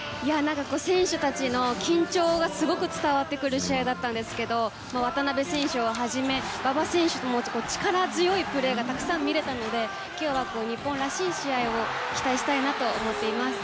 選手たちの緊張がすごく伝わってくる試合でしたが渡邊選手をはじめ、馬場選手の力強いプレーがたくさん見れたので今日は日本らしい試合を期待したいと思います。